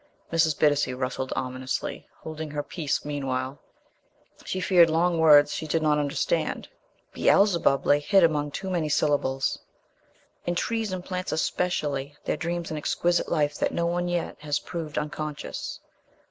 Mrs. Bittacy rustled ominously, holding her peace meanwhile. She feared long words she did not understand. Beelzebub lay hid among too many syllables. "In trees and plants especially, there dreams an exquisite life that no one yet has proved unconscious."